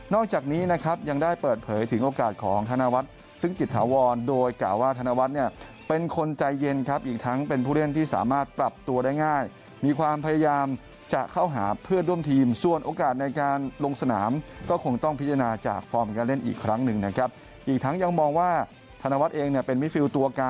จากนี้นะครับยังได้เปิดเผยถึงโอกาสของธนวัฒน์ซึ่งจิตถาวรโดยกล่าวว่าธนวัฒน์เนี่ยเป็นคนใจเย็นครับอีกทั้งเป็นผู้เล่นที่สามารถปรับตัวได้ง่ายมีความพยายามจะเข้าหาเพื่อนร่วมทีมส่วนโอกาสในการลงสนามก็คงต้องพิจารณาจากฟอร์มการเล่นอีกครั้งหนึ่งนะครับอีกทั้งยังมองว่าธนวัฒน์เองเนี่ยเป็นมิฟิลตัวก